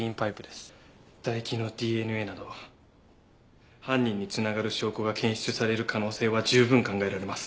唾液のＤＮＡなど犯人に繋がる証拠が検出される可能性は十分考えられます。